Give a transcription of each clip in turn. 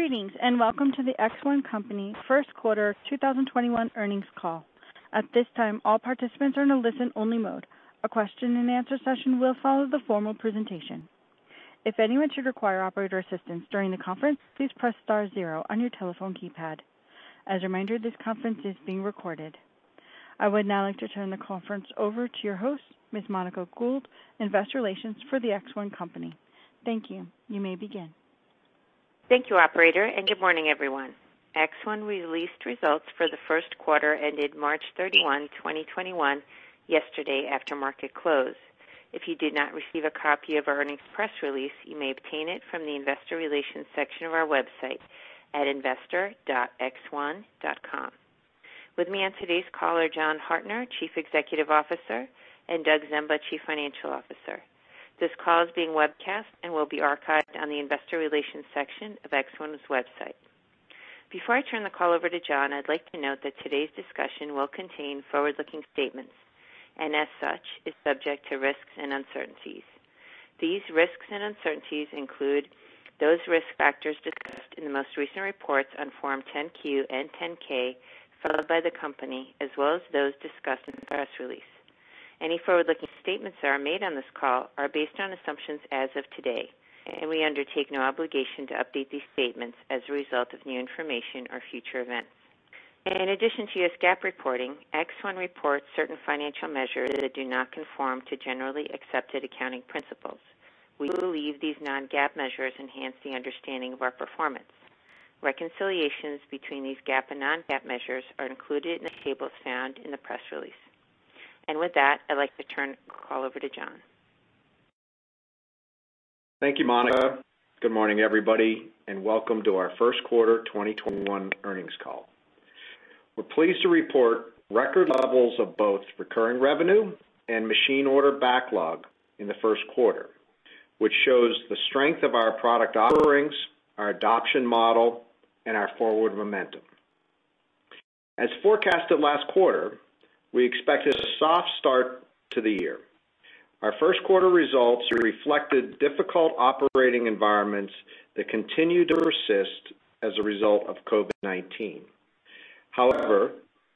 Greetings, welcome to The ExOne Company first quarter 2021 earnings call. At this time, all participants are in a listen-only mode. A question-and-answer session will follow the formal presentation. If anyone should require operator assistance during the conference, please press star zero on your telephone keypad. As a reminder, this conference is being recorded. I would now like to turn the conference over to your host, Ms. Monica Gould, investor relations for The ExOne Company. Thank you. You may begin. Thank you, operator. Good morning, everyone. ExOne released results for the first quarter ended March 31, 2021 yesterday after market close. If you did not receive a copy of our earnings press release, you may obtain it from the investor relations section of our website at investor.exone.com. With me on today's call are John Hartner, Chief Executive Officer, and Douglas Zemba, Chief Financial Officer. This call is being webcast and will be archived on the investor relations section of ExOne's website. Before I turn the call over to John, I'd like to note that today's discussion will contain forward-looking statements, and as such, is subject to risks and uncertainties. These risks and uncertainties include those risk factors discussed in the most recent reports on Form 10-Q and 10-K filed by the company, as well as those discussed in the press release. Any forward-looking statements that are made on this call are based on assumptions as of today, and we undertake no obligation to update these statements as a result of new information or future events. In addition to U.S. GAAP reporting, ExOne reports certain financial measures that do not conform to generally accepted accounting principles. We believe these non-GAAP measures enhance the understanding of our performance. Reconciliations between these GAAP and non-GAAP measures are included in the tables found in the press release. With that, I'd like to turn the call over to John. Thank you, Monica. Good morning, everybody, and welcome to our first quarter 2021 earnings call. We're pleased to report record levels of both recurring revenue and machine order backlog in the first quarter, which shows the strength of our product offerings, our adoption model, and our forward momentum. As forecasted last quarter, we expected a soft start to the year. Our first quarter results reflected difficult operating environments that continue to persist as a result of COVID-19.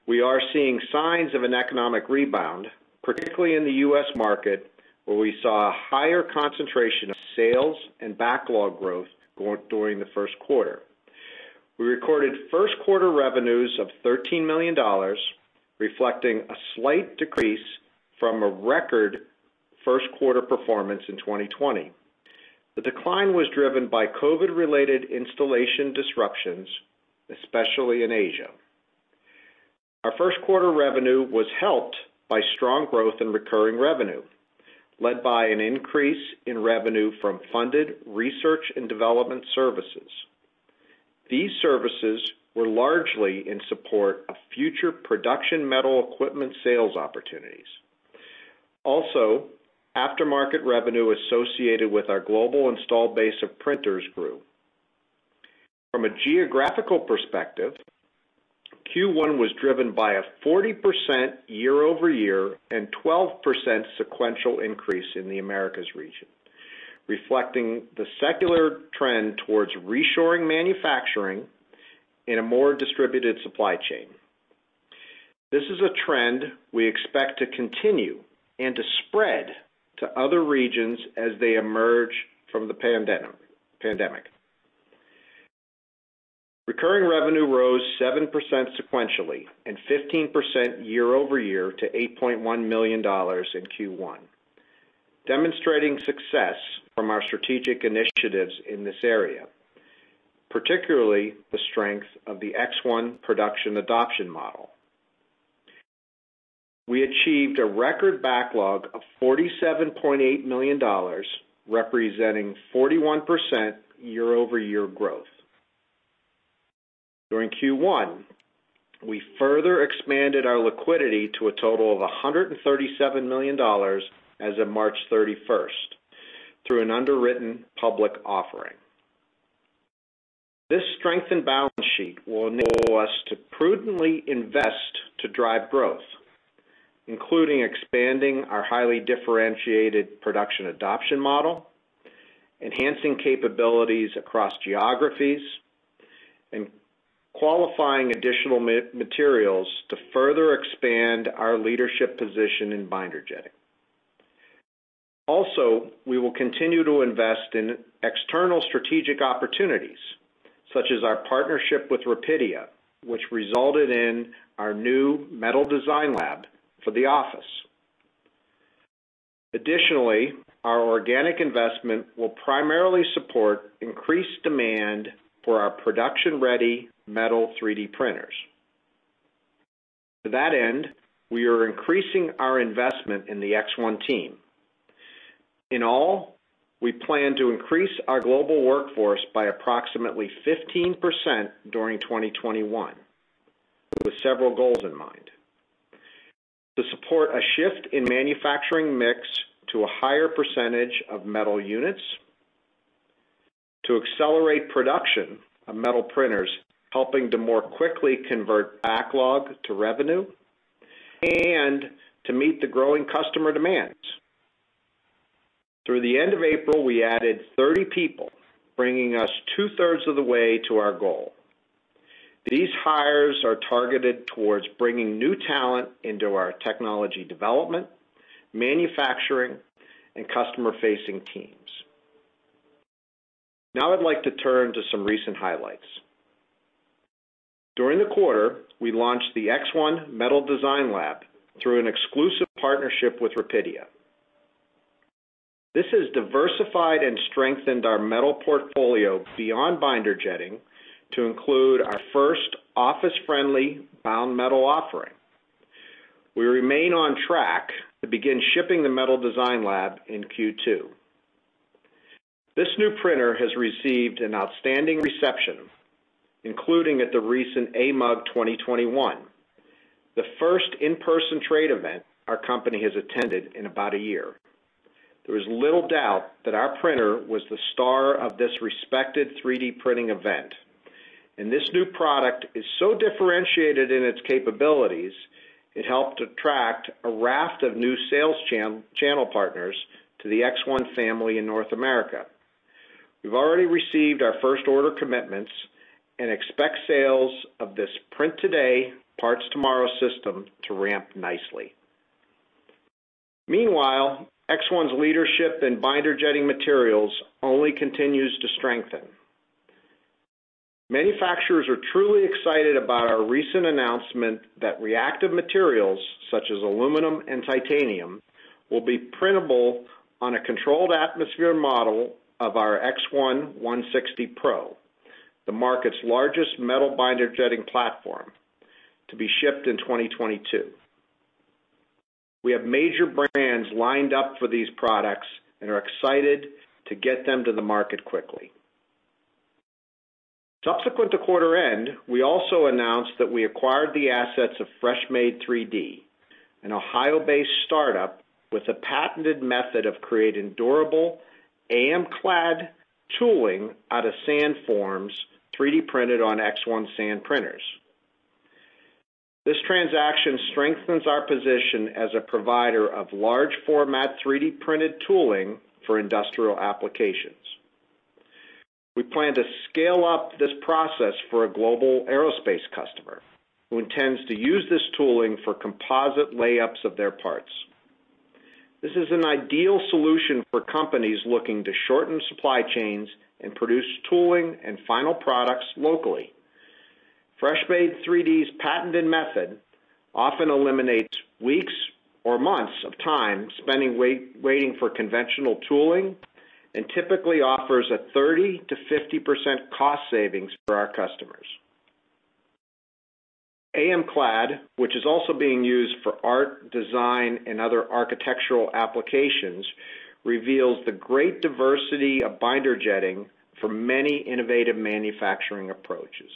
We are seeing signs of an economic rebound, particularly in the U.S. market, where we saw a higher concentration of sales and backlog growth during the first quarter. We recorded first quarter revenues of $13 million, reflecting a slight decrease from a record first quarter performance in 2020. The decline was driven by COVID-related installation disruptions, especially in Asia. Our first quarter revenue was helped by strong growth in recurring revenue, led by an increase in revenue from funded research and development services. These services were largely in support of future production metal equipment sales opportunities. Aftermarket revenue associated with our global installed base of printers grew. From a geographical perspective, Q1 was driven by a 40% year-over-year and 12% sequential increase in the Americas region, reflecting the secular trend towards reshoring manufacturing in a more distributed supply chain. This is a trend we expect to continue and to spread to other regions as they emerge from the pandemic. Recurring revenue rose 7% sequentially and 15% year-over-year to $8.1 million in Q1, demonstrating success from our strategic initiatives in this area, particularly the strength of the ExOne production adoption model. We achieved a record backlog of $47.8 million, representing 41% year-over-year growth. During Q1, we further expanded our liquidity to a total of $137 million as of March 31st, through an underwritten public offering. This strengthened balance sheet will enable us to prudently invest to drive growth, including expanding our highly differentiated production adoption model, enhancing capabilities across geographies, and qualifying additional materials to further expand our leadership position in binder jetting. Also, we will continue to invest in external strategic opportunities, such as our partnership with Rapidia, which resulted in our new Metal Designlab for the office. Additionally, our organic investment will primarily support increased demand for our production-ready metal 3D printers. To that end, we are increasing our investment in the ExOne team. In all, we plan to increase our global workforce by approximately 15% during 2021, with several goals in mind: to support a shift in manufacturing mix to a higher percentage of metal units, to accelerate production of metal printers, helping to more quickly convert backlog to revenue. To meet the growing customer demands. Through the end of April, we added 30 people, bringing us 2/3 of the way to our goal. These hires are targeted towards bringing new talent into our technology development, manufacturing, and customer-facing teams. Now I'd like to turn to some recent highlights. During the quarter, we launched the ExOne Metal Designlab through an exclusive partnership with Rapidia. This has diversified and strengthened our metal portfolio beyond binder jetting to include our first office-friendly bound metal offering. We remain on track to begin shipping the Metal Designlab in Q2. This new printer has received an outstanding reception, including at the recent AMUG 2021, the first in-person trade event our company has attended in about a year. There is little doubt that our printer was the star of this respected 3D printing event. This new product is so differentiated in its capabilities, it helped attract a raft of new sales channel partners to the ExOne family in North America. We've already received our first order commitments and expect sales of this print today, parts tomorrow system to ramp nicely. Meanwhile, ExOne's leadership in binder jetting materials only continues to strengthen. Manufacturers are truly excited about our recent announcement that reactive materials such as aluminum and titanium will be printable on a controlled atmosphere model of our X1 160Pro, the market's largest metal binder jetting platform, to be shipped in 2022. We have major brands lined up for these products and are excited to get them to the market quickly. Subsequent to quarter end, we also announced that we acquired the assets of Freshmade 3D, an Ohio-based startup with a patented method of creating durable AMClad tooling out of sand forms 3D printed on ExOne sand printers. This transaction strengthens our position as a provider of large format 3D-printed tooling for industrial applications. We plan to scale up this process for a global aerospace customer who intends to use this tooling for composite layups of their parts. This is an ideal solution for companies looking to shorten supply chains and produce tooling and final products locally. Freshmade 3D's patented method often eliminates weeks or months of time spending waiting for conventional tooling and typically offers a 30%-50% cost savings for our customers. AMClad, which is also being used for art, design, and other architectural applications, reveals the great diversity of binder jetting for many innovative manufacturing approaches.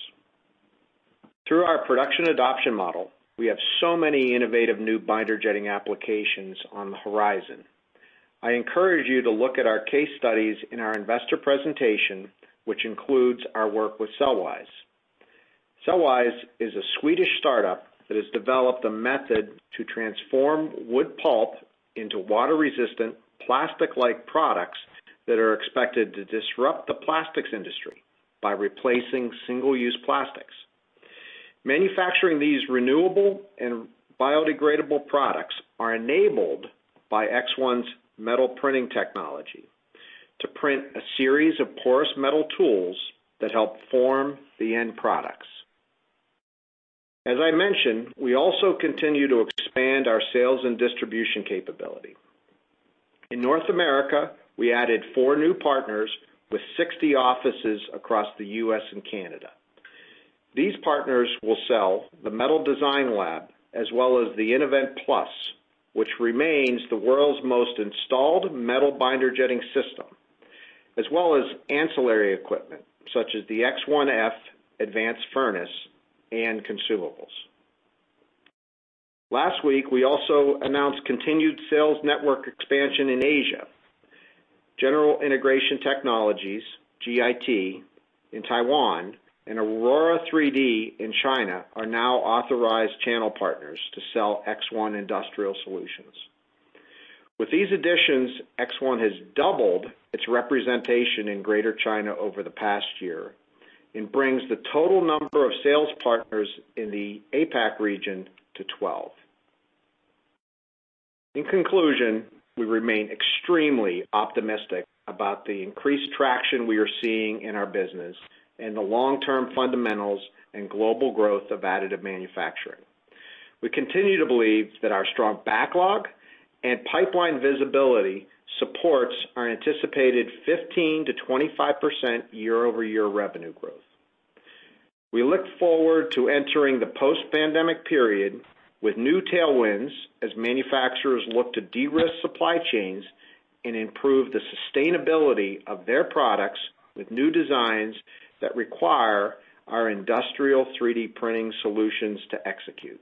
Through our production adoption model, we have so many innovative new binder jetting applications on the horizon. I encourage you to look at our case studies in our investor presentation, which includes our work with Celwise. Celwise is a Swedish startup that has developed a method to transform wood pulp into water-resistant plastic-like products that are expected to disrupt the plastics industry by replacing single-use plastics. Manufacturing these renewable and biodegradable products are enabled by ExOne's metal printing technology to print a series of porous metal tools that help form the end products. As I mentioned, we also continue to expand our sales and distribution capability. In North America, we added four new partners with 60 offices across the U.S. and Canada. These partners will sell the Metal Designlab as well as the Innovent+, which remains the world's most installed metal binder jetting system, as well as ancillary equipment such as the X1F advanced furnace and consumables. Last week, we also announced continued sales network expansion in Asia. General Integration Technology, GIT, in Taiwan and Aurora 3D in China are now authorized channel partners to sell ExOne industrial solutions. With these additions, ExOne has doubled its representation in Greater China over the past year and brings the total number of sales partners in the APAC region to 12. In conclusion, we remain extremely optimistic about the increased traction we are seeing in our business and the long-term fundamentals and global growth of additive manufacturing. We continue to believe that our strong backlog and pipeline visibility supports our anticipated 15%-25% year-over-year revenue growth. We look forward to entering the post-pandemic period with new tailwinds as manufacturers look to de-risk supply chains and improve the sustainability of their products with new designs that require our industrial 3D printing solutions to execute.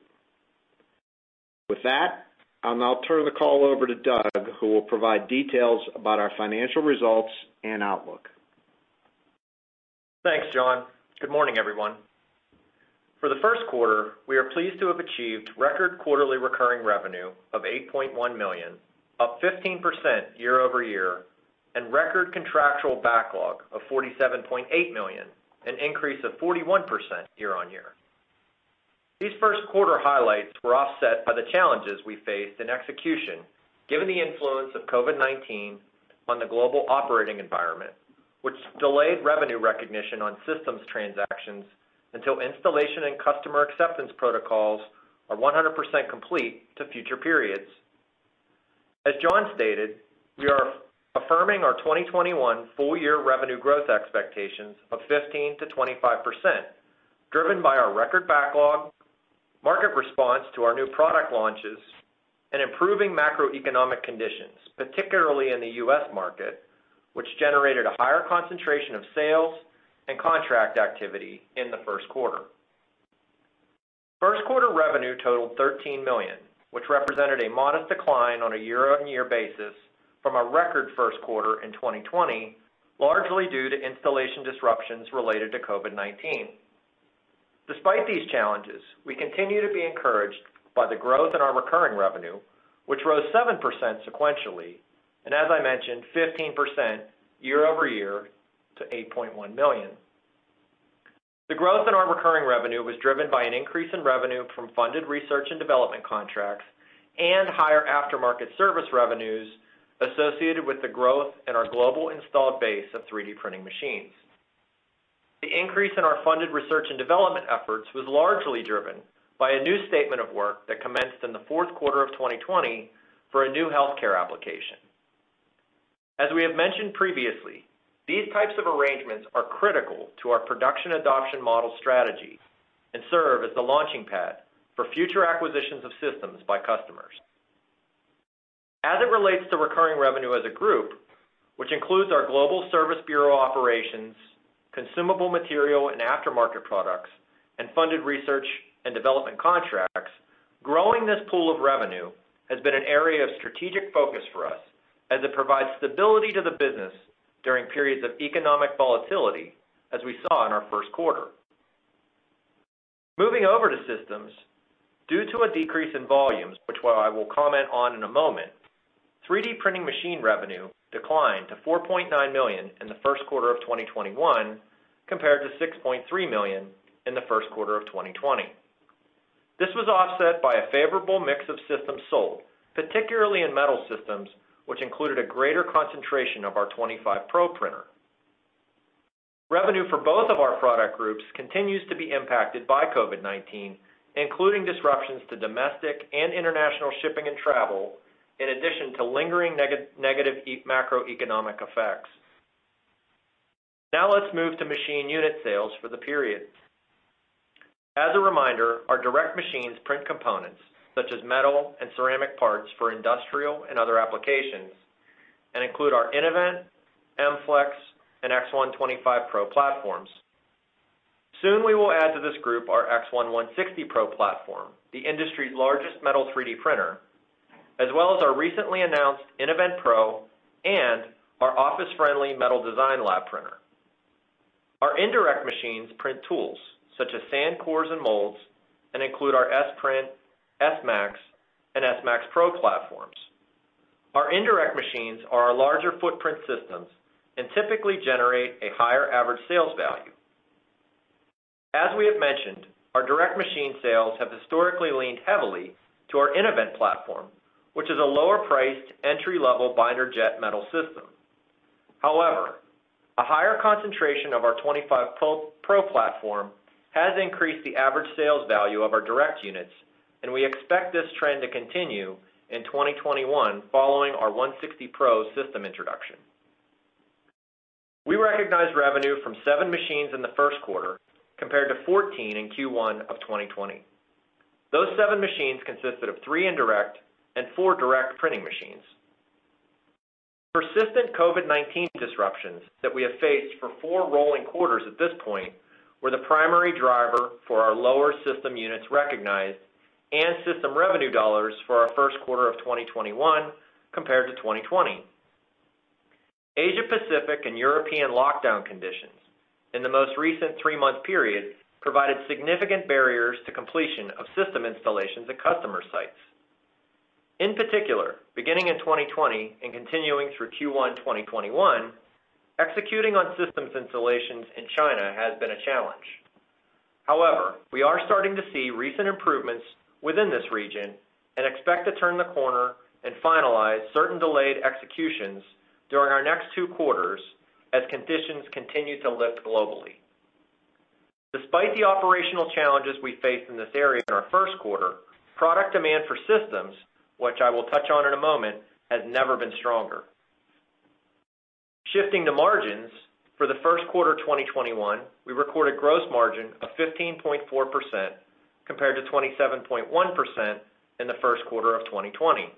With that, I'll now turn the call over to Doug, who will provide details about our financial results and outlook. Thanks, John. Good morning, everyone. For the first quarter, we are pleased to have achieved record quarterly recurring revenue of $8.1 million, up 15% year-over-year, and record contractual backlog of $47.8 million, an increase of 41% year-on-year. These first quarter highlights were offset by the challenges we faced in execution given the influence of COVID-19 on the global operating environment, which delayed revenue recognition on systems transactions until installation and customer acceptance protocols are 100% complete to future periods. As John stated, we are affirming our 2021 full year revenue growth expectations of 15%-25%, driven by our record backlog, market response to our new product launches, and improving macroeconomic conditions, particularly in the U.S. market, which generated a higher concentration of sales and contract activity in the first quarter. First quarter revenue totaled $13 million, which represented a modest decline on a year-on-year basis from a record first quarter in 2020, largely due to installation disruptions related to COVID-19. Despite these challenges, we continue to be encouraged by the growth in our recurring revenue, which rose 7% sequentially, and as I mentioned, 15% year-over-year to $8.1 million. The growth in our recurring revenue was driven by an increase in revenue from funded research and development contracts and higher aftermarket service revenues associated with the growth in our global installed base of 3D printing machines. The increase in our funded research and development efforts was largely driven by a new statement of work that commenced in the fourth quarter of 2020 for a new healthcare application. As we have mentioned previously, these types of arrangements are critical to our production adoption model strategy and serve as the launching pad for future acquisitions of systems by customers. As it relates to recurring revenue as a group, which includes our global service bureau operations, consumable material and aftermarket products, and funded research and development contracts, growing this pool of revenue has been an area of strategic focus for us as it provides stability to the business during periods of economic volatility, as we saw in our first quarter. Moving over to systems, due to a decrease in volumes, which I will comment on in a moment, 3D printing machine revenue declined to $4.9 million in the first quarter of 2021, compared to $6.3 million in the first quarter of 2020. This was offset by a favorable mix of systems sold, particularly in metal systems, which included a greater concentration of our X1 25Pro printer. Revenue for both of our product groups continues to be impacted by COVID-19, including disruptions to domestic and international shipping and travel, in addition to lingering negative macroeconomic effects. Let's move to machine unit sales for the period. As a reminder, our direct machines print components such as metal and ceramic parts for industrial and other applications and include our Innovent, M-Flex, and X1 25Pro platforms. Soon we will add to this group our X1 160Pro platform, the industry's largest metal 3D printer, as well as our recently announced InnoventPro and our office-friendly Metal Designlab printer. Our indirect machines print tools such as sand cores and molds and include our S-Print, S-Max, and S-Max Pro platforms. Our indirect machines are our larger footprint systems and typically generate a higher average sales value. As we have mentioned, our direct machine sales have historically leaned heavily to our Innovent platform, which is a lower priced entry-level binder jet metal system. However, a higher concentration of our 25Pro platform has increased the average sales value of our direct units, and we expect this trend to continue in 2021 following our 160Pro system introduction. We recognized revenue from seven machines in the first quarter compared to 14 in Q1 of 2020. Those seven machines consisted of three indirect and four direct printing machines. Persistent COVID-19 disruptions that we have faced for four rolling quarters at this point were the primary driver for our lower system units recognized and system revenue dollars for our first quarter of 2021 compared to 2020. Asia-Pacific and European lockdown conditions in the most recent three-month period provided significant barriers to completion of system installations at customer sites. In particular, beginning in 2020 and continuing through Q1 2021, executing on systems installations in China has been a challenge. However, we are starting to see recent improvements within this region and expect to turn the corner and finalize certain delayed executions during our next two quarters as conditions continue to lift globally. Despite the operational challenges we faced in this area in our first quarter, product demand for systems, which I will touch on in a moment, has never been stronger. Shifting to margins, for the first quarter 2021, we recorded gross margin of 15.4% compared to 27.1% in the first quarter of 2020.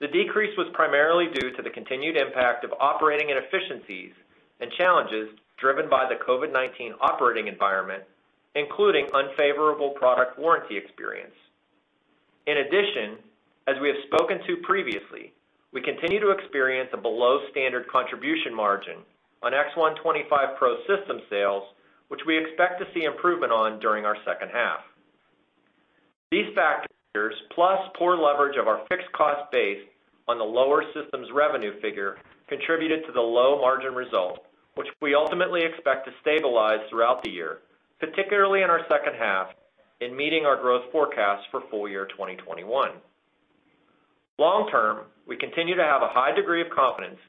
The decrease was primarily due to the continued impact of operating inefficiencies and challenges driven by the COVID-19 operating environment, including unfavorable product warranty experience. As we have spoken to previously, we continue to experience a below standard contribution margin on X1 25Pro system sales, which we expect to see improvement on during our second half. These factors, plus poor leverage of our fixed cost base on the lower systems revenue figure, contributed to the low margin result, which we ultimately expect to stabilize throughout the year, particularly in our second half in meeting our growth forecast for full year 2021. Long term, we continue to have a high degree of confidence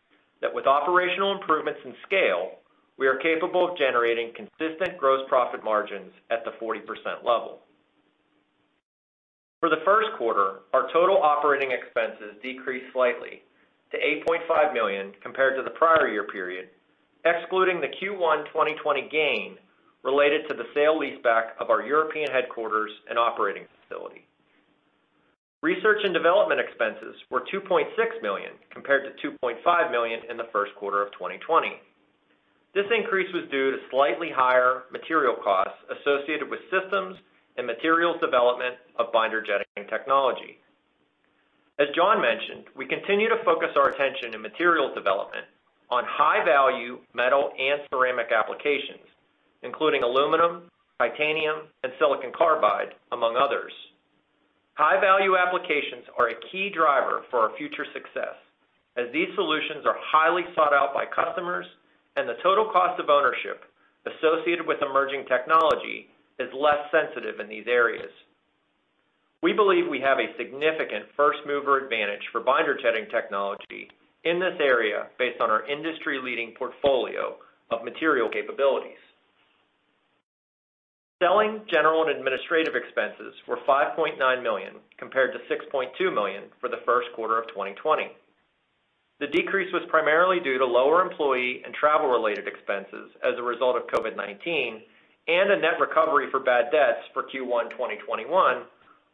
that with operational improvements and scale, we are capable of generating consistent gross profit margins at the 40% level. For the first quarter, our total operating expenses decreased slightly to $8.5 million compared to the prior year period, excluding the Q1 2020 gain related to the sale leaseback of our European headquarters and operating facility. Research and development expenses were $2.6 million, compared to $2.5 million in the first quarter of 2020. This increase was due to slightly higher material costs associated with systems and materials development of binder jetting technology. As John mentioned, we continue to focus our attention in materials development on high-value metal and ceramic applications, including aluminum, titanium, and silicon carbide, among others. High-value applications are a key driver for our future success, as these solutions are highly sought out by customers and the total cost of ownership associated with emerging technology is less sensitive in these areas. We believe we have a significant first-mover advantage for binder jetting technology in this area based on our industry-leading portfolio of material capabilities. Selling, General & Administrative expenses were $5.9 million, compared to $6.2 million for the first quarter of 2020. The decrease was primarily due to lower employee and travel-related expenses as a result of COVID-19 and a net recovery for bad debts for Q1 2021,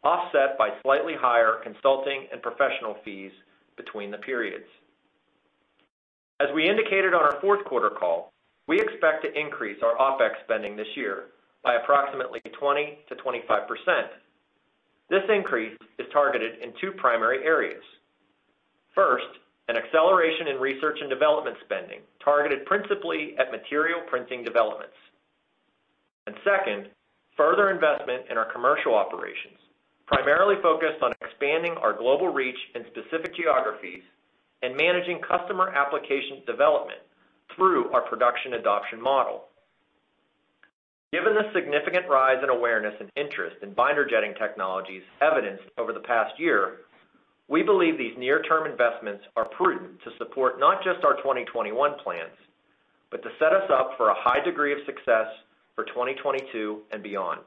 offset by slightly higher consulting and professional fees between the periods. As we indicated on our fourth quarter call, we expect to increase our OPEX spending this year by approximately 20%-25%. This increase is targeted in two primary areas. First, an acceleration in research and development spending targeted principally at material printing developments. Second, further investment in our commercial operations, primarily focused on expanding our global reach in specific geographies and managing customer application development through our production adoption model. Given the significant rise in awareness and interest in binder jetting technologies evidenced over the past year, we believe these near-term investments are prudent to support not just our 2021 plans, but to set us up for a high degree of success for 2022 and beyond.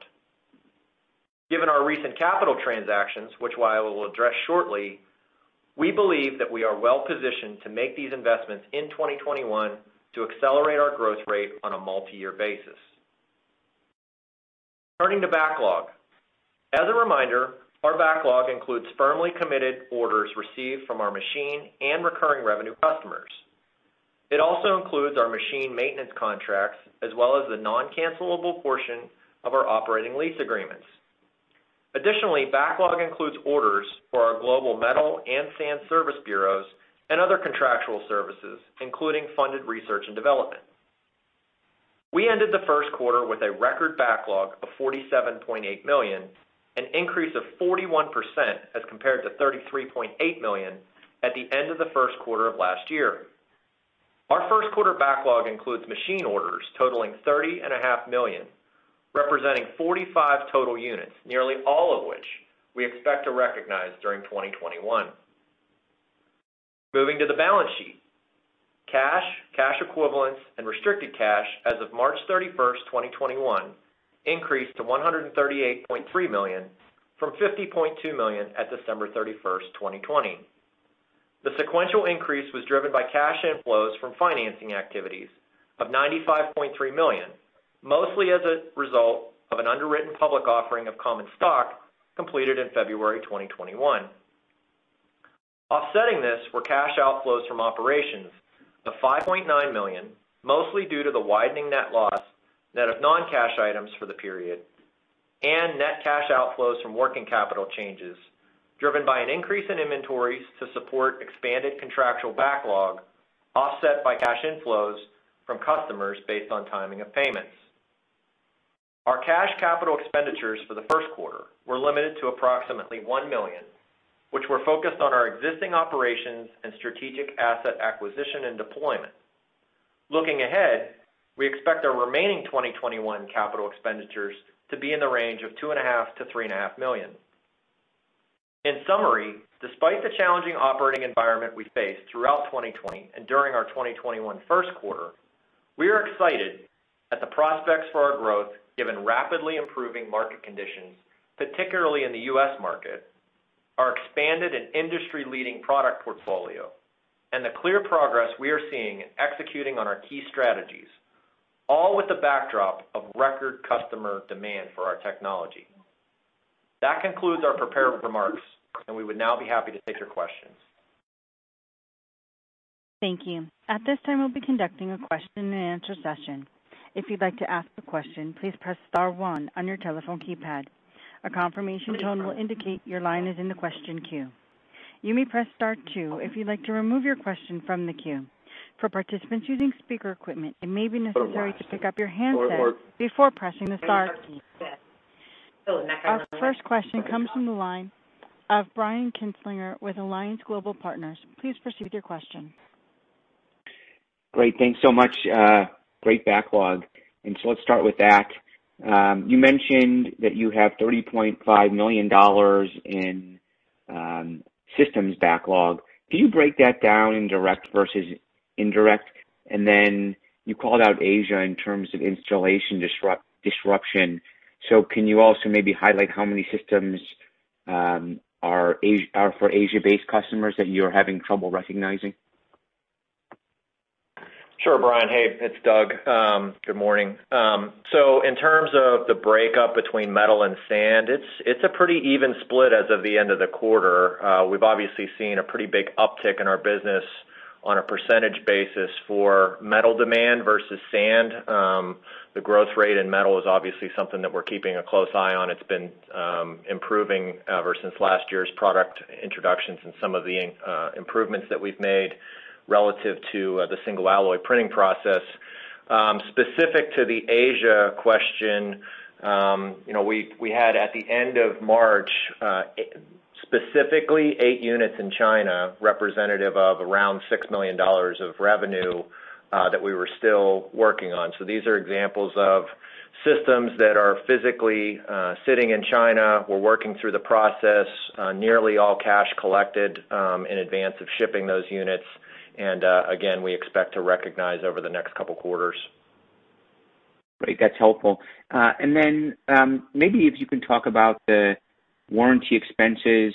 Given our recent capital transactions, which I will address shortly, we believe that we are well-positioned to make these investments in 2021 to accelerate our growth rate on a multi-year basis. Turning to backlog. As a reminder, our backlog includes firmly committed orders received from our machine and recurring revenue customers. It also includes our machine maintenance contracts as well as the non-cancellable portion of our operating lease agreements. Additionally, backlog includes orders for our global metal and sand service bureaus and other contractual services, including funded research and development. We ended the first quarter with a record backlog of $47.8 million, an increase of 41% as compared to $33.8 million at the end of the first quarter of last year. Our first quarter backlog includes machine orders totaling $30.5 million, representing 45 total units, nearly all of which we expect to recognize during 2021. Moving to the balance sheet. Cash, cash equivalents, and restricted cash as of March 31st, 2021 increased to $138.3 million from $50.2 million at December 31st, 2020. The sequential increase was driven by cash inflows from financing activities of $95.3 million, mostly as a result of an underwritten public offering of common stock completed in February 2021. Offsetting this were cash outflows from operations to $5.9 million, mostly due to the widening net loss net of non-cash items for the period and net cash outflows from working capital changes driven by an increase in inventories to support expanded contractual backlog, offset by cash inflows from customers based on timing of payments. Our cash capital expenditures for the first quarter were limited to approximately $1 million, which were focused on our existing operations and strategic asset acquisition and deployment. Looking ahead, we expect our remaining 2021 capital expenditures to be in the range of $2.5 million-$3.5 million. In summary, despite the challenging operating environment we faced throughout 2020 and during our 2021 first quarter, we are excited at the prospects for our growth given rapidly improving market conditions, particularly in the U.S. market, our expanded and industry-leading product portfolio, and the clear progress we are seeing in executing on our key strategies, all with the backdrop of record customer demand for our technology. That concludes our prepared remarks, and we would now be happy to take your questions. Thank you. At this time we will be conducting a question-and-answer session. If you'd like to ask a question please press star one on your telephone keypad. A confirmation tone will indicate your line is in the question queue. You may press star two if you'd like to remove your question from the queue. For participants using speaker equipment it may be necessary to pick up your handsets before pressing the star. Our first question comes from the line of Brian Kinstlinger with Alliance Global Partners. Please proceed with your question. Great. Thanks so much. Great backlog. Let's start with that. You mentioned that you have $30.5 million in systems backlog. Can you break that down in direct versus indirect? You called out Asia in terms of installation disruption. Can you also maybe highlight how many systems are for Asia-based customers that you're having trouble recognizing? Sure, Brian. Hey, it's Doug. Good morning. In terms of the breakup between metal and sand, it's a pretty even split as of the end of the quarter. We've obviously seen a pretty big uptick in our business on a percentage basis for metal demand versus sand. The growth rate in metal is obviously something that we're keeping a close eye on. It's been improving ever since last year's product introductions and some of the improvements that we've made relative to the single alloy printing process. Specific to the Asia question, we had at the end of March, specifically eight units in China, representative of around $6 million of revenue, that we were still working on. These are examples of systems that are physically sitting in China. We're working through the process. Nearly all cash collected in advance of shipping those units. Again, we expect to recognize over the next couple quarters. Great. That's helpful. Maybe if you can talk about the warranty expenses.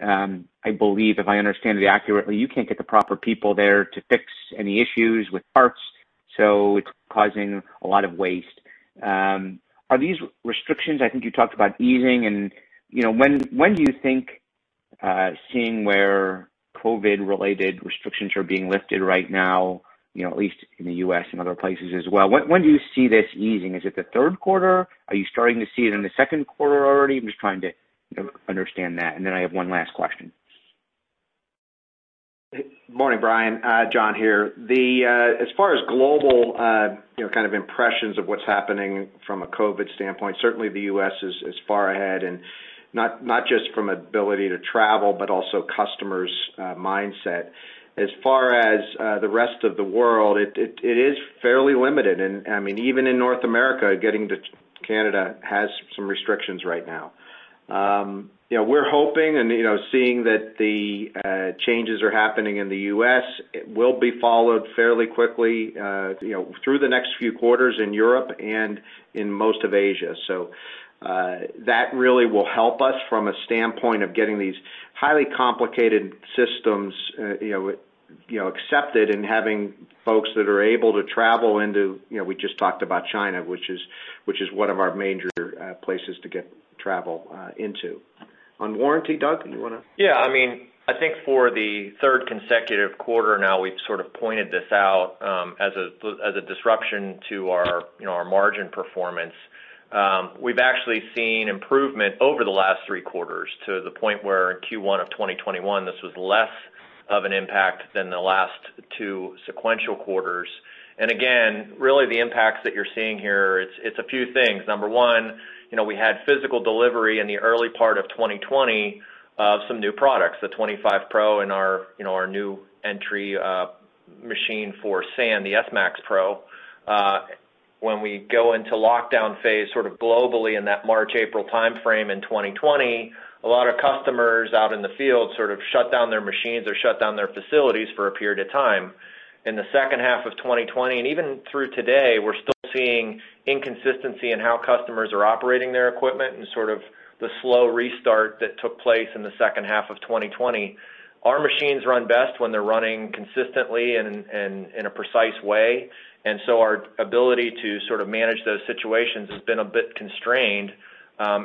I believe if I understand it accurately, you can't get the proper people there to fix any issues with parts, so it's causing a lot of waste. Are these restrictions, I think you talked about easing and when do you think, seeing where COVID-related restrictions are being lifted right now, at least in the U.S. and other places as well, when do you see this easing? Is it the third quarter? Are you starting to see it in the second quarter already? I'm just trying to understand that, and then I have one last question. Morning, Brian. John here. As far as global kind of impressions of what's happening from a COVID standpoint, certainly the U.S. is far ahead, and not just from ability to travel, but also customers' mindset. As far as the rest of the world, it is fairly limited. Even in North America, getting to Canada has some restrictions right now. We're hoping and seeing that the changes are happening in the U.S. It will be followed fairly quickly through the next few quarters in Europe and in most of Asia. That really will help us from a standpoint of getting these highly complicated systems accepted and having folks that are able to travel into, we just talked about China, which is one of our major places to get travel into. On warranty, Doug, do you want to I think for the third consecutive quarter now, we've sort of pointed this out, as a disruption to our margin performance. We've actually seen improvement over the last three quarters to the point where in Q1 2021, this was less of an impact than the last two sequential quarters. Again, really the impacts that you're seeing here, it's a few things. Number one, we had physical delivery in the early part of 2020 of some new products, the X1 25Pro and our new entry machine for sand, the S-Max Pro. When we go into lockdown phase sort of globally in that March, April timeframe in 2020, a lot of customers out in the field sort of shut down their machines or shut down their facilities for a period of time. In the second half of 2020, even through today, we're still seeing inconsistency in how customers are operating their equipment and sort of the slow restart that took place in the second half of 2020. Our machines run best when they're running consistently and in a precise way. Our ability to sort of manage those situations has been a bit constrained,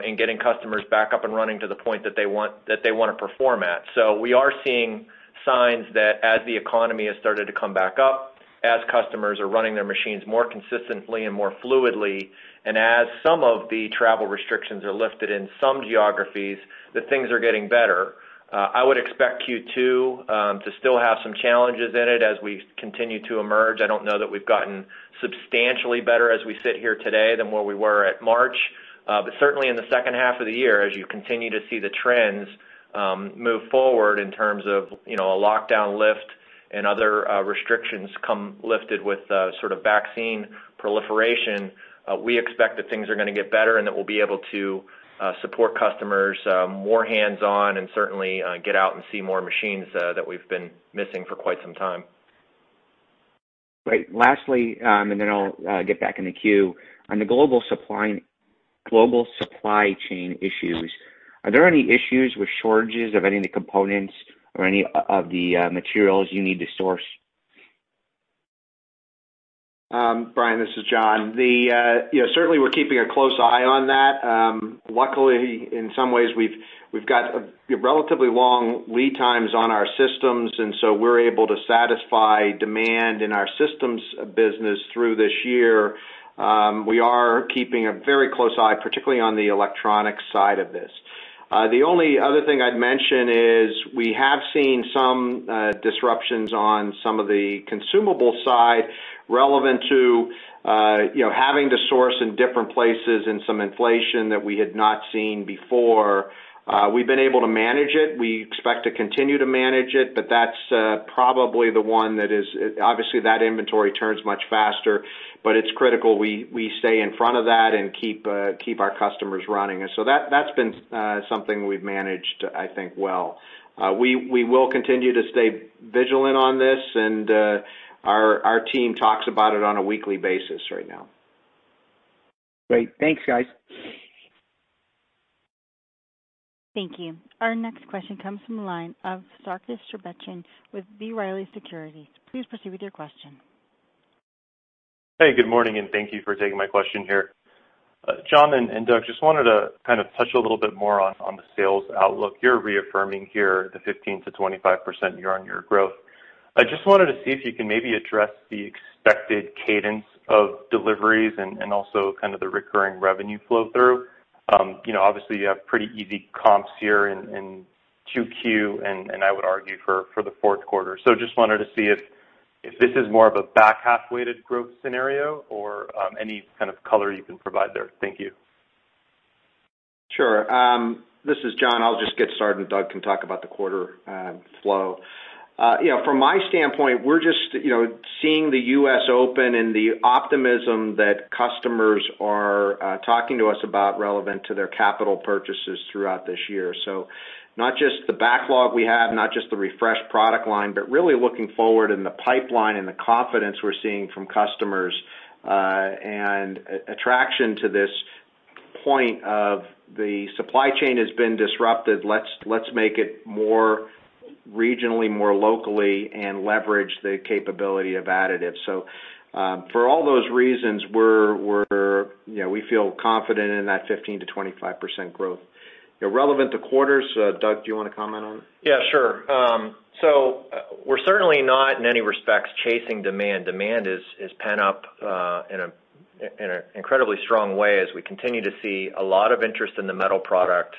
in getting customers back up and running to the point that they want to perform at. We are seeing signs that as the economy has started to come back up, as customers are running their machines more consistently and more fluidly, and as some of the travel restrictions are lifted in some geographies, that things are getting better. I would expect Q2 to still have some challenges in it as we continue to emerge. I don't know that we've gotten substantially better as we sit here today than where we were at March. Certainly in the second half of the year, as you continue to see the trends move forward in terms of a lockdown lift and other restrictions come lifted with sort of vaccine proliferation, we expect that things are going to get better and that we'll be able to support customers more hands-on and certainly get out and see more machines that we've been missing for quite some time. Great. Lastly, then I'll get back in the queue. On the global supply chain issues, are there any issues with shortages of any of the components or any of the materials you need to source? Brian, this is John. Certainly, we're keeping a close eye on that. Luckily, in some ways, we've got relatively long lead times on our systems. We're able to satisfy demand in our systems business through this year. We are keeping a very close eye, particularly on the electronic side of this. The only other thing I'd mention is we have seen some disruptions on some of the consumable side relevant to having to source in different places and some inflation that we had not seen before. We've been able to manage it. We expect to continue to manage it. That's probably the one that obviously, that inventory turns much faster. It's critical we stay in front of that and keep our customers running. That's been something we've managed, I think, well. We will continue to stay vigilant on this, and our team talks about it on a weekly basis right now. Great. Thanks, guys. Thank you. Our next question comes from the line of Sarkis Sherbetchyan with B. Riley Securities. Please proceed with your question. Good morning, and thank you for taking my question here. John and Doug, just wanted to touch a little bit more on the sales outlook. You're reaffirming here the 15%-25% year-on-year growth. I just wanted to see if you can maybe address the expected cadence of deliveries and also the recurring revenue flow-through. Obviously, you have pretty easy comps here in Q2, and I would argue for the fourth quarter. Just wanted to see if this is more of a back-half-weighted growth scenario or any kind of color you can provide there. Thank you. Sure. This is John. I'll just get started. Doug can talk about the quarter flow. From my standpoint, we're just seeing the U.S. open and the optimism that customers are talking to us about relevant to their capital purchases throughout this year. Not just the backlog we have, not just the refreshed product line, but really looking forward in the pipeline and the confidence we're seeing from customers. Attraction to this point of the supply chain has been disrupted, let's make it more regionally, more locally, and leverage the capability of additive. For all those reasons, we feel confident in that 15%-25% growth. Relevant to quarters, Doug, do you want to comment on it? We're certainly not, in any respects, chasing demand. Demand is pent up in an incredibly strong way as we continue to see a lot of interest in the metal product.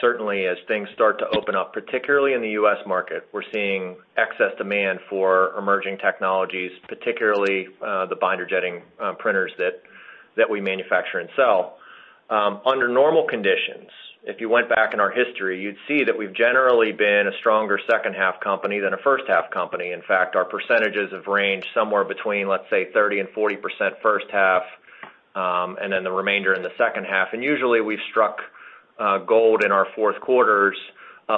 Certainly as things start to open up, particularly in the U.S. market, we're seeing excess demand for emerging technologies, particularly the binder jetting printers that we manufacture and sell. Under normal conditions, if you went back in our history, you'd see that we've generally been a stronger second half company than a first half company. In fact, our percentages have ranged somewhere between, let's say, 30%-40% first half, and then the remainder in the second half. Usually, we've struck gold in our fourth quarters,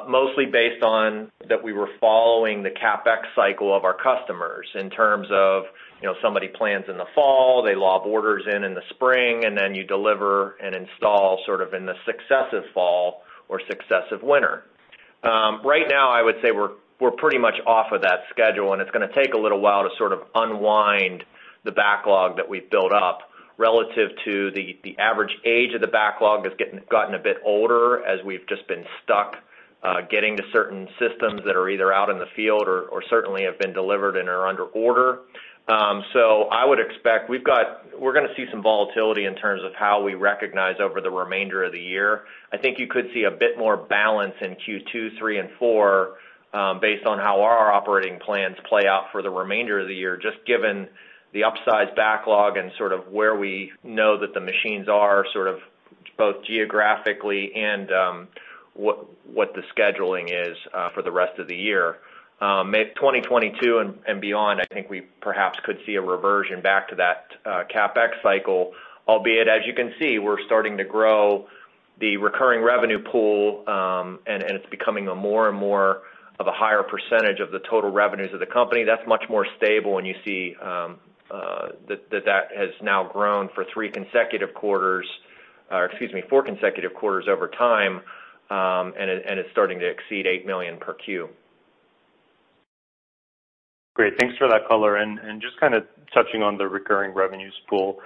mostly based on that we were following the CapEx cycle of our customers in terms of somebody plans in the fall, they lob orders in in the spring, and then you deliver and install in the successive fall or successive winter. Right now, I would say we're pretty much off of that schedule, and it's going to take a little while to unwind the backlog that we've built up relative to the average age of the backlog has gotten a bit older as we've just been stuck getting to certain systems that are either out in the field or certainly have been delivered and are under order. I would expect we're going to see some volatility in terms of how we recognize over the remainder of the year. I think you could see a bit more balance in Q2, three, and four, based on how our operating plans play out for the remainder of the year, just given the upsized backlog and where we know that the machines are, both geographically and what the scheduling is for the rest of the year. 2022 and beyond, I think we perhaps could see a reversion back to that CapEx cycle, albeit, as you can see, we're starting to grow the recurring revenue pool, and it's becoming more and more of a higher percentage of the total revenues of the company. That's much more stable, and you see that that has now grown for three consecutive quarters, or excuse me, four consecutive quarters over time, and it's starting to exceed $8 million per Q. Great. Thanks for that color. Just touching on the recurring revenues pool,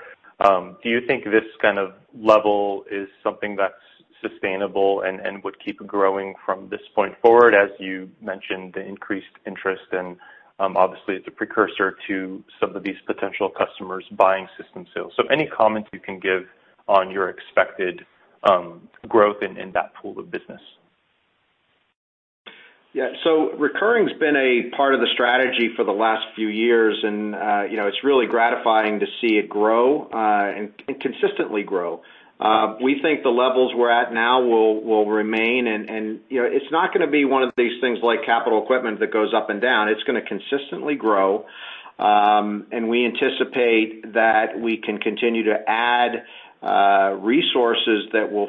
do you think this kind of level is something that's sustainable and would keep growing from this point forward? As you mentioned, the increased interest, and obviously, it's a precursor to some of these potential customers buying system sales. Any comments you can give on your expected growth in that pool of business? Yeah. Recurring's been a part of the strategy for the last few years, and it's really gratifying to see it grow, and consistently grow. We think the levels we're at now will remain, and it's not going to be one of these things like capital equipment that goes up and down. It's going to consistently grow. We anticipate that we can continue to add resources that will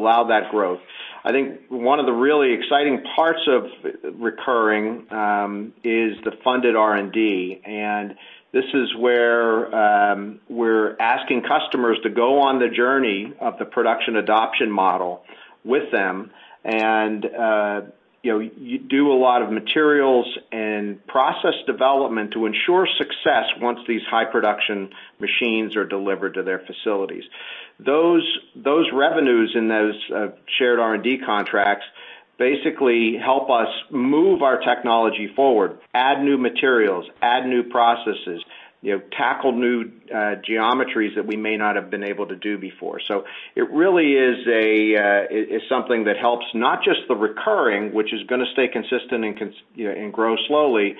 allow that growth. I think one of the really exciting parts of recurring is the funded R&D. This is where Asking customers to go on the journey of the production adoption model with them and do a lot of materials and process development to ensure success once these high production machines are delivered to their facilities. Those revenues and those shared R&D contracts basically help us move our technology forward, add new materials, add new processes, tackle new geometries that we may not have been able to do before. It really is something that helps not just the recurring, which is going to stay consistent and grow slowly,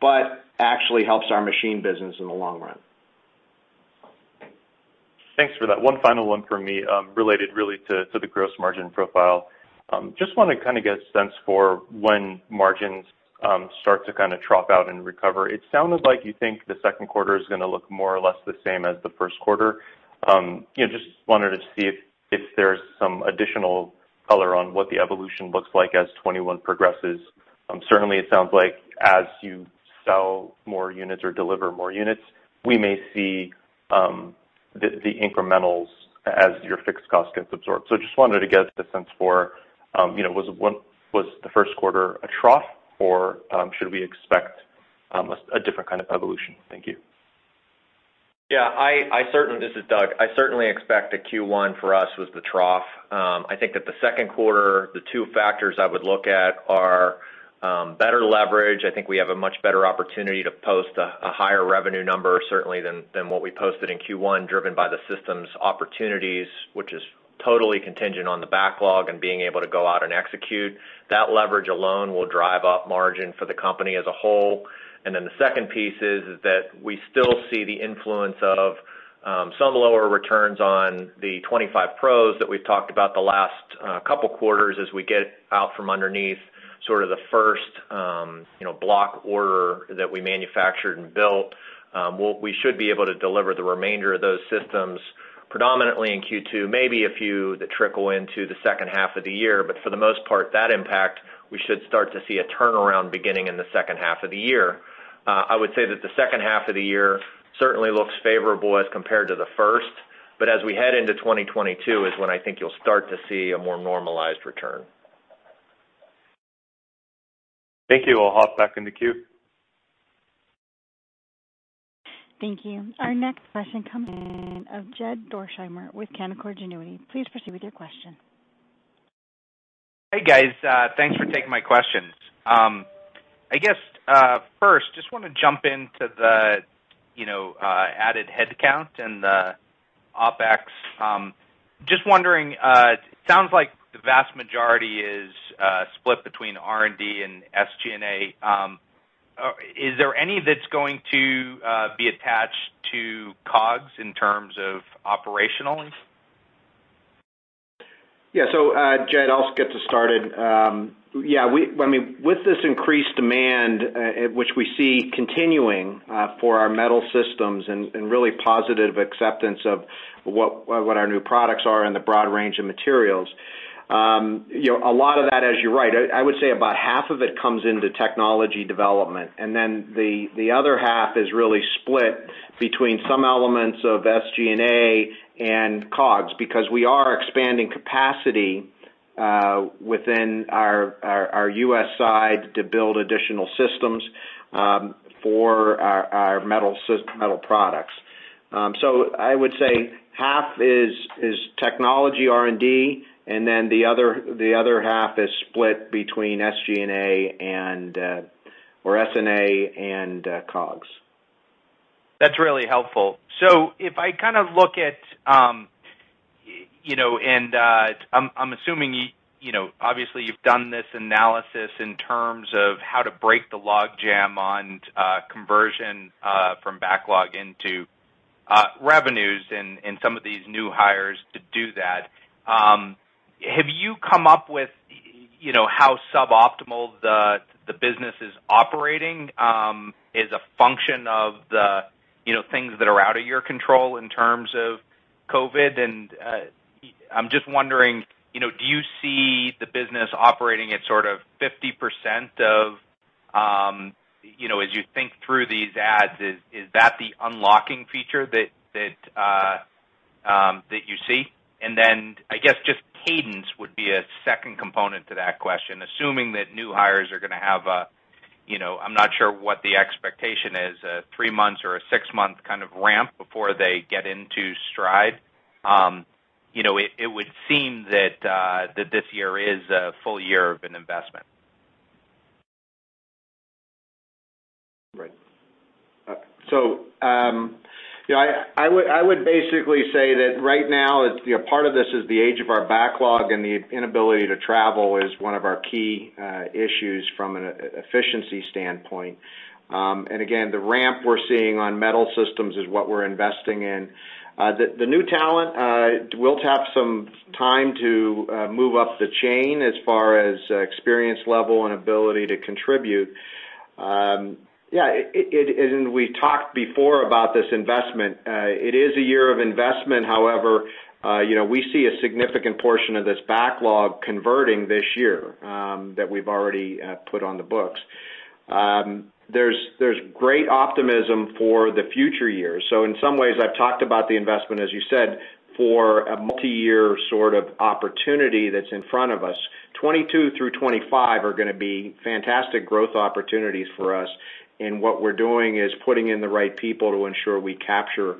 but actually helps our machine business in the long run. Thanks for that. One final one from me, related really to the gross margin profile. Just want to get a sense for when margins start to trough out and recover. It sounded like you think the second quarter is going to look more or less the same as the first quarter. Just wanted to see if there's some additional color on what the evolution looks like as 2021 progresses. Certainly, it sounds like as you sell more units or deliver more units, we may see the incrementals as your fixed cost gets absorbed. Just wanted to get a sense for, was the first quarter a trough or should we expect a different kind of evolution? Thank you. Yeah. This is Doug. I certainly expect that Q1 for us was the trough. I think that the second quarter, the two factors I would look at are better leverage. I think we have a much better opportunity to post a higher revenue number, certainly than what we posted in Q1, driven by the systems opportunities, which is totally contingent on the backlog and being able to go out and execute. That leverage alone will drive up margin for the company as a whole. The second piece is that we still see the influence of some of the lower returns on the 25Pros that we've talked about the last couple quarters as we get out from underneath sort of the first block order that we manufactured and built. We should be able to deliver the remainder of those systems predominantly in Q2, maybe a few that trickle into the second half of the year. For the most part, that impact, we should start to see a turnaround beginning in the second half of the year. I would say that the second half of the year certainly looks favorable as compared to the first, as we head into 2022 is when I think you'll start to see a more normalized return. Thank you. I'll hop back in the queue. Thank you. Our next question comes in of Jed Dorsheimer with Canaccord Genuity. Please proceed with your question. Hey, guys. Thanks for taking my questions. I guess, first, just want to jump into the added headcount and the OpEx. Just wondering, it sounds like the vast majority is split between R&D and SG&A. Is there any that's going to be attached to COGS in terms of operationals? Yeah. Jed, I'll get us started. With this increased demand, which we see continuing for our metal systems and really positive acceptance of what our new products are and the broad range of materials, a lot of that, as you're right, I would say about half of it comes into technology development. The other half is really split between some elements of SG&A and COGS, because we are expanding capacity within our U.S. side to build additional systems for our metal products. I would say half is technology R&D, and then the other half is split between SG&A and COGS. That's really helpful. If I look at, and I'm assuming, obviously, you've done this analysis in terms of how to break the logjam on conversion from backlog into revenues and some of these new hires to do that. Have you come up with how suboptimal the business is operating as a function of the things that are out of your control in terms of COVID? I'm just wondering, do you see the business operating at 50% of, as you think through these adds, is that the unlocking feature that you see? Then I guess just cadence would be a second component to that question, assuming that new hires are going to have a, I'm not sure what the expectation is, a three-month or a six-month kind of ramp before they get into stride. It would seem that this year is a full year of an investment. Right. I would basically say that right now, part of this is the age of our backlog and the inability to travel is one of our key issues from an efficiency standpoint. Again, the ramp we're seeing on metal systems is what we're investing in. The new talent will have some time to move up the chain as far as experience level and ability to contribute. We talked before about this investment. It is a year of investment. We see a significant portion of this backlog converting this year that we've already put on the books. There's great optimism for the future years. In some ways, I've talked about the investment, as you said, for a multi-year sort of opportunity that's in front of us. 2022 through 2025 are going to be fantastic growth opportunities for us, and what we're doing is putting in the right people to ensure we capture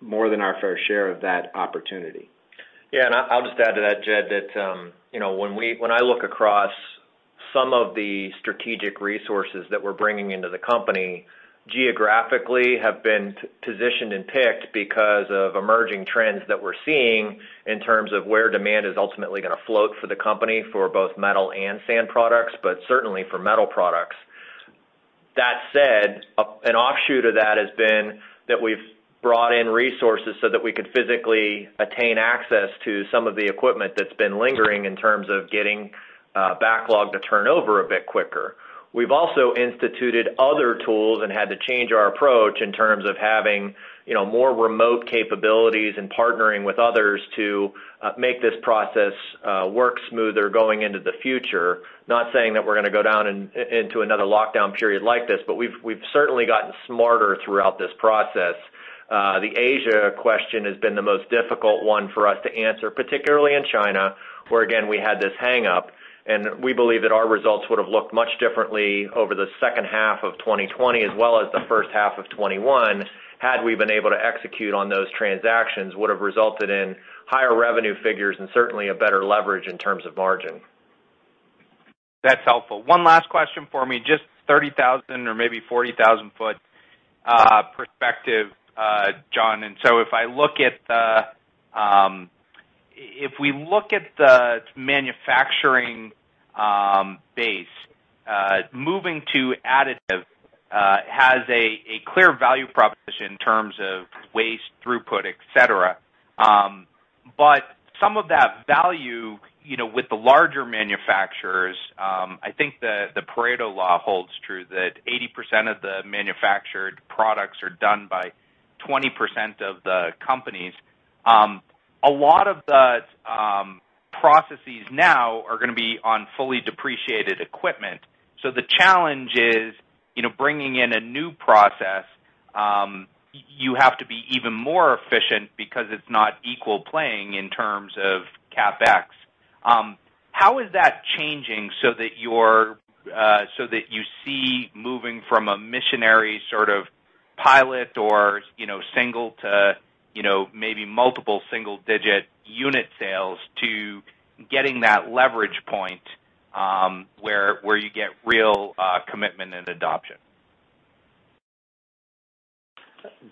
more than our fair share of that opportunity. I'll just add to that, Jed, that when I look across some of the strategic resources that we're bringing into the company, geographically have been positioned and picked because of emerging trends that we're seeing in terms of where demand is ultimately going to float for the company for both metal and sand products, but certainly for metal products. That said, an offshoot of that has been that we've brought in resources so that we could physically attain access to some of the equipment that's been lingering in terms of getting backlog to turn over a bit quicker. We've also instituted other tools and had to change our approach in terms of having more remote capabilities and partnering with others to make this process work smoother going into the future. Not saying that we're going to go down into another lockdown period like this, but we've certainly gotten smarter throughout this process. The Asia question has been the most difficult one for us to answer, particularly in China, where again, we had this hang-up. We believe that our results would have looked much differently over the second half of 2020, as well as the first half of 2021, had we been able to execute on those transactions, would have resulted in higher revenue figures and certainly a better leverage in terms of margin. That's helpful. One last question for me, just 30,000 or maybe 40,000-ft perspective, John. If we look at the manufacturing base, moving to additive has a clear value proposition in terms of waste throughput, et cetera. Some of that value with the larger manufacturers, I think the Pareto law holds true that 80% of the manufactured products are done by 20% of the companies. A lot of the processes now are going to be on fully depreciated equipment. The challenge is bringing in a new process, you have to be even more efficient because it's not equal playing in terms of CapEx. How is that changing so that you see moving from a missionary sort of pilot or single to maybe multiple single-digit unit sales to getting that leverage point, where you get real commitment and adoption?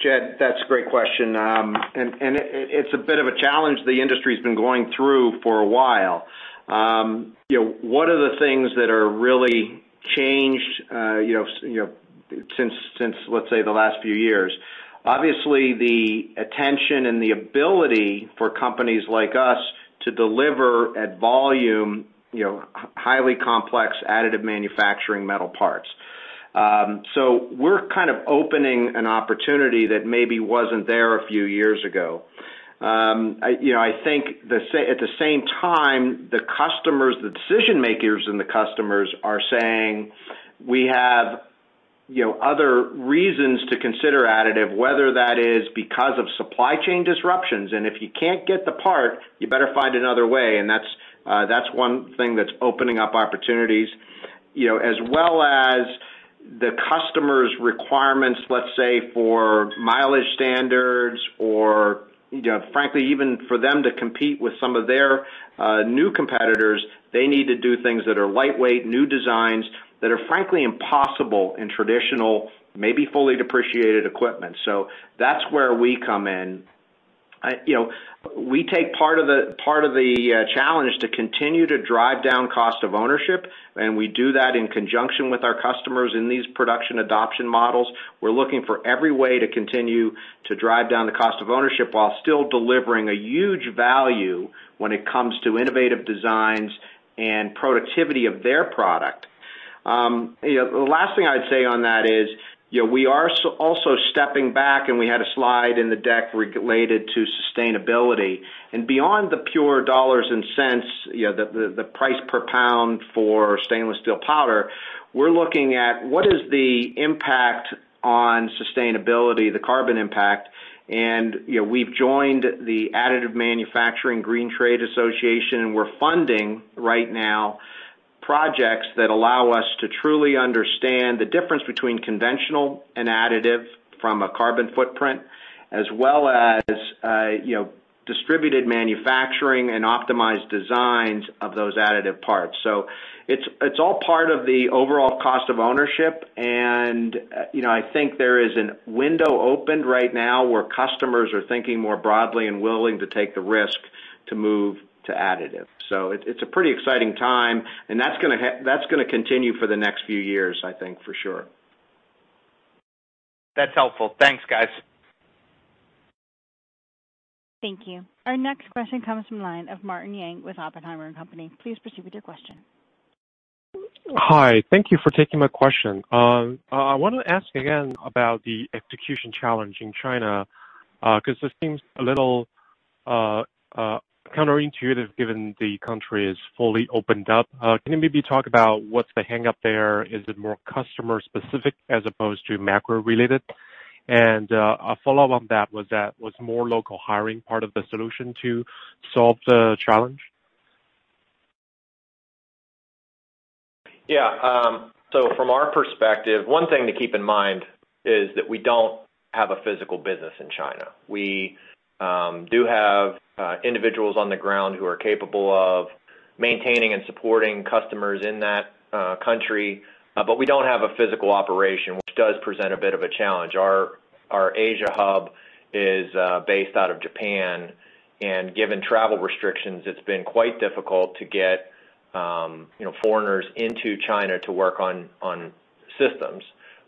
Jed, that's a great question. It's a bit of a challenge the industry's been going through for a while. One of the things that are really changed since, let's say, the last few years, obviously, the attention and the ability for companies like us to deliver at volume, highly complex additive manufacturing metal parts. We're kind of opening an opportunity that maybe wasn't there a few years ago. I think at the same time, the decision makers and the customers are saying, we have other reasons to consider additive, whether that is because of supply chain disruptions, and if you can't get the part, you better find another way, and that's one thing that's opening up opportunities. As well as the customer's requirements, let's say, for mileage standards or frankly, even for them to compete with some of their new competitors, they need to do things that are lightweight, new designs that are frankly impossible in traditional, maybe fully depreciated equipment. That's where we come in. We take part of the challenge to continue to drive down cost of ownership, and we do that in conjunction with our customers in these production adoption models. We're looking for every way to continue to drive down the cost of ownership while still delivering a huge value when it comes to innovative designs and productivity of their product. The last thing I'd say on that is, we are also stepping back, and we had a slide in the deck related to sustainability. Beyond the pure dollars and cents, the price per pound for stainless steel powder, we're looking at what is the impact on sustainability, the carbon impact, and we've joined the Additive Manufacturer Green Trade Association, and we're funding right now projects that allow us to truly understand the difference between conventional and additive from a carbon footprint, as well as distributed manufacturing and optimized designs of those additive parts. It's all part of the overall cost of ownership, and I think there is a window opened right now where customers are thinking more broadly and willing to take the risk to move to additive. It's a pretty exciting time, and that's going to continue for the next few years, I think for sure. That's helpful. Thanks, guys. Thank you. Our next question comes from the line of Martin Yang with Oppenheimer. Please proceed with your question. Hi. Thank you for taking my question. I want to ask again about the execution challenge in China, because it seems a little counterintuitive, given the country is fully opened up. Can you maybe talk about what's the hang-up there? Is it more customer specific as opposed to macro related? A follow-up on that, was more local hiring part of the solution to solve the challenge? From our perspective, one thing to keep in mind is that we don't have a physical business in China. We do have individuals on the ground who are capable of maintaining and supporting customers in that country. We don't have a physical operation, which does present a bit of a challenge. Our Asia hub is based out of Japan, and given travel restrictions, it's been quite difficult to get foreigners into China to work on systems.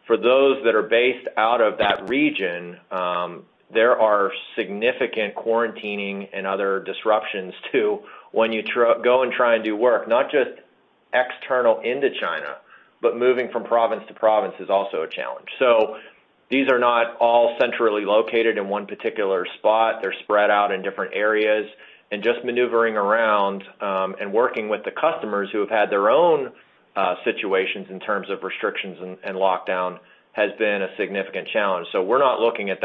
For those that are based out of that region, there are significant quarantining and other disruptions, too, when you go and try and do work. Not just external into China, but moving from province to province is also a challenge. These are not all centrally located in one particular spot. They're spread out in different areas, just maneuvering around and working with the customers who have had their own situations in terms of restrictions and lockdown has been a significant challenge. We're not looking at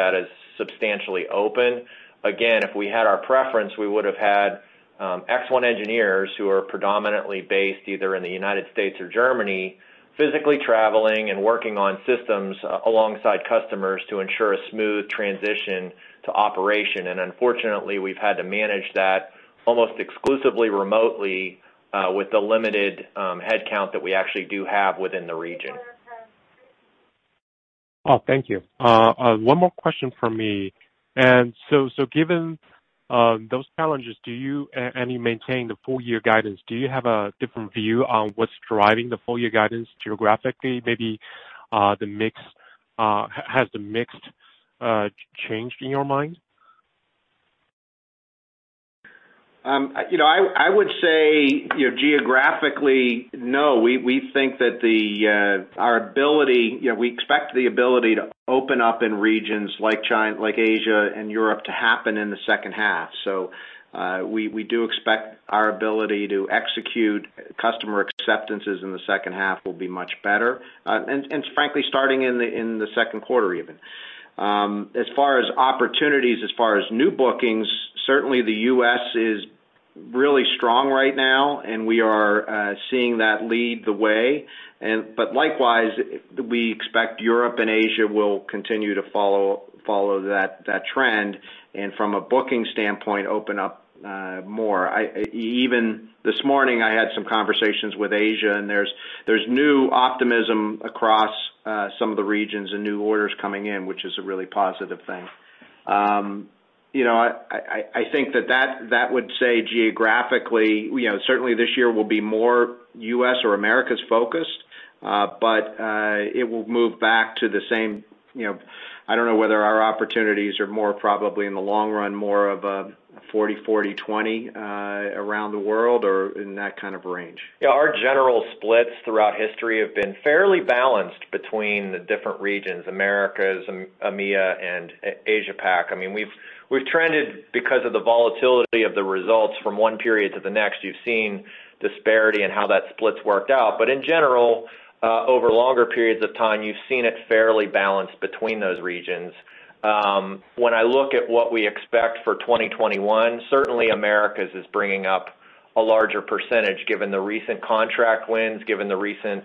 that as substantially open. Again, if we had our preference, we would have had ExOne engineers, who are predominantly based either in the United States or Germany, physically traveling and working on systems alongside customers to ensure a smooth transition to operation. Unfortunately, we've had to manage that almost exclusively remotely with the limited headcount that we actually do have within the region. Oh, thank you. One more question from me. Given those challenges, and you maintain the full year guidance, do you have a different view on what's driving the full year guidance geographically? Maybe has the mix changed in your mind? I would say geographically, no. We expect the ability to open up in regions like Asia and Europe to happen in the second half. We do expect our ability to execute customer acceptances in the second half will be much better. Frankly, starting in the second quarter, even. As far as opportunities, as far as new bookings, certainly the U.S. is really strong right now, and we are seeing that lead the way. Likewise, we expect Europe and Asia will continue to follow that trend, and from a booking standpoint, open up more. Even this morning, I had some conversations with Asia, and there's new optimism across some of the regions and new orders coming in, which is a really positive thing. I think that would say geographically, certainly this year will be more U.S. or Americas focused. It will move back to the same. I don't know whether our opportunities are more probably in the long run, more of a 40/40/20 around the world or in that kind of range. Yeah, our general splits throughout history have been fairly balanced between the different regions, Americas, EMEA, and Asia Pac. We've trended because of the volatility of the results from one period to the next. You've seen disparity in how that split's worked out. In general, over longer periods of time, you've seen it fairly balanced between those regions. When I look at what we expect for 2021, certainly Americas is bringing up a larger percentage given the recent contract wins, given the recent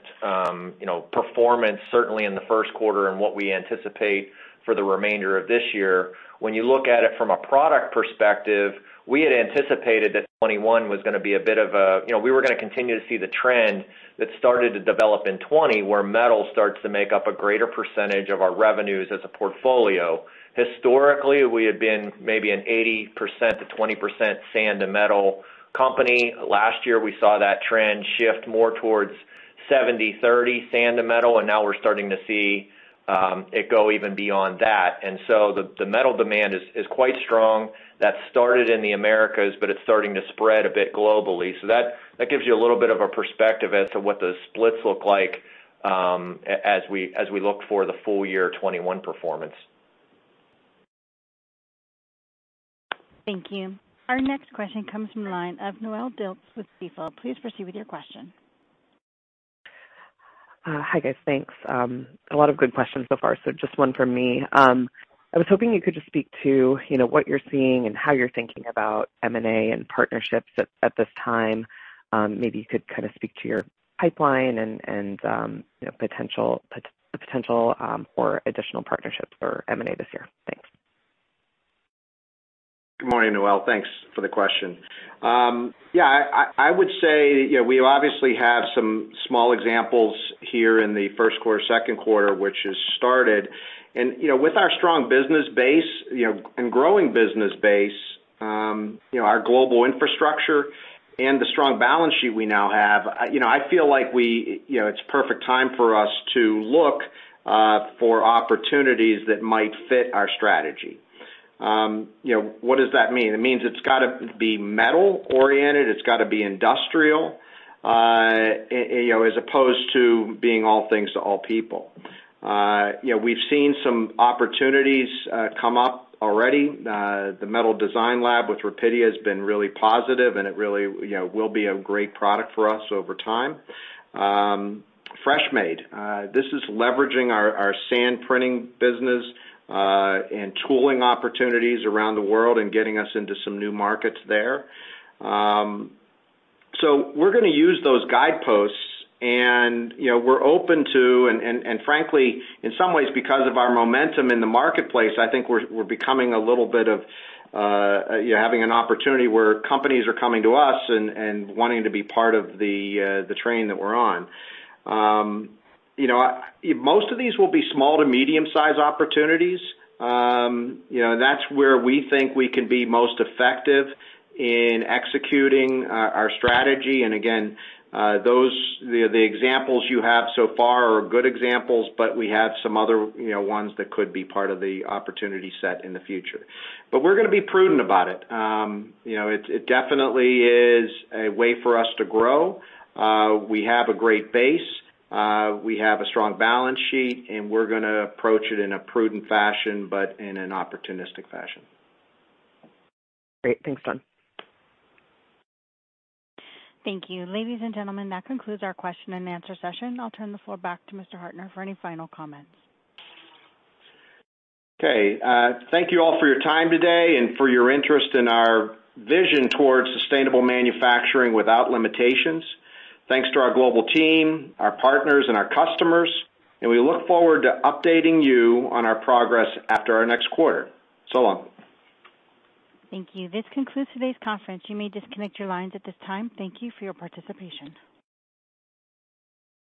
performance, certainly in the first quarter and what we anticipate for the remainder of this year. When you look at it from a product perspective, we had anticipated that 2021 was going to be we were going to continue to see the trend that started to develop in 2020, where metal starts to make up a greater percentage of our revenues as a portfolio. Historically, we had been maybe an 80%-20% sand to metal company. Last year, we saw that trend shift more towards 70/30 sand to metal, and now we're starting to see it go even beyond that. The metal demand is quite strong. That started in the Americas, but it's starting to spread a bit globally. That gives you a little bit of a perspective as to what the splits look like as we look for the full year 2021 performance. Thank you. Our next question comes from the line of Noelle Dilts with Stifel. Please proceed with your question. Hi, guys. Thanks. A lot of good questions so far, so just one from me. I was hoping you could just speak to what you're seeing and how you're thinking about M&A and partnerships at this time. Maybe you could kind of speak to your pipeline and potential for additional partnerships for M&A this year. Thanks. Good morning, Noelle. Thanks for the question. Yeah, I would say we obviously have some small examples here in the first quarter, second quarter, which has started. With our strong business base and growing business base, our global infrastructure and the strong balance sheet we now have, I feel like it's perfect time for us to look for opportunities that might fit our strategy. What does that mean? It means it's got to be metal-oriented. It's got to be industrial as opposed to being all things to all people. We've seen some opportunities come up already. The Metal Designlab with Rapidia has been really positive, and it really will be a great product for us over time. Freshmade, this is leveraging our sand printing business and tooling opportunities around the world and getting us into some new markets there. We're going to use those guideposts, and we're open to, and frankly, in some ways because of our momentum in the marketplace, I think we're becoming a little bit of having an opportunity where companies are coming to us and wanting to be part of the train that we're on. Most of these will be small to medium-sized opportunities. That's where we think we can be most effective in executing our strategy. Again, the examples you have so far are good examples, but we have some other ones that could be part of the opportunity set in the future. We're going to be prudent about it. It definitely is a way for us to grow. We have a great base. We have a strong balance sheet, and we're going to approach it in a prudent fashion, but in an opportunistic fashion. Great. Thanks, John. Thank you. Ladies and gentlemen, that concludes our question and answer session. I'll turn the floor back to Mr. Hartner for any final comments. Okay. Thank you all for your time today and for your interest in our vision towards sustainable manufacturing without limitations. Thanks to our global team, our partners, and our customers, and we look forward to updating you on our progress after our next quarter. So long. Thank you. This concludes today's conference. You may disconnect your lines at this time. Thank you for your participation.